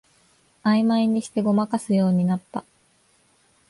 あいまいにしてごまかすようになった